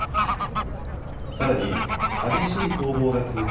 さらに激しい攻防が続く